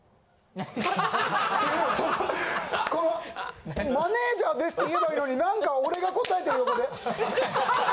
ていうマネジャーですって言えばいいのに何か俺が答えてる横で。